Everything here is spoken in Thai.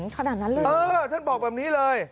อื้อขนาดนั้นเลยเออท่านบอกแบบนี้เลย